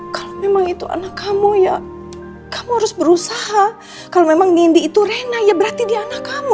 kalau memang itu anak kamu ya kamu harus berusaha kalau memang nindi itu rena ya berarti dia anak kamu